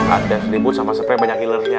ada selimut sama sepre banyak healernya